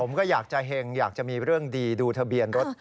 ผมก็อยากจะเห็งอยากจะมีเรื่องดีดูทะเบียนรถ